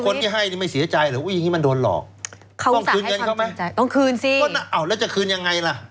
แล้วจะคืนยังไงล่ะ